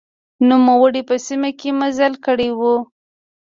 نوموړي په سیمه کې مزل کړی و.